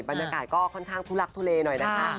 บรรยากาศก็ค่อนข้างทุลักทุเลหน่อยนะคะ